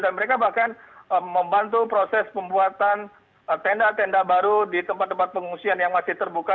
dan mereka bahkan membantu proses pembuatan tenda tenda baru di tempat tempat pengungsian yang masih terbuka